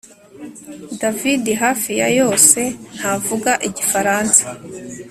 David hafi ya yose ntavuga igifaransa